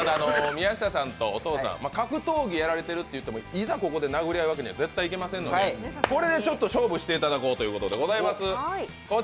宮下さんとお父さん、格闘技をやられているといってもここで殴り合うわけに絶対いきませんのでこれで勝負していただこうということでございます。